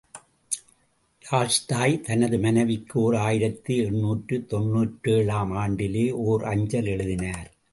Tolstoy தனது மனைவிக்கு ஓர் ஆயிரத்து எண்ணூற்று தொன்னூற்றேழு ஆம் ஆண்டிலே ஓர் அஞ்சல் எழுதினார்.